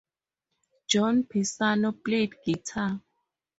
John Pisano played guitar.